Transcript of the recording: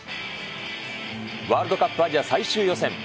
ワールドカップアジア最終予選。